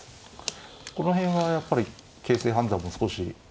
この辺はやっぱり形勢判断も少し。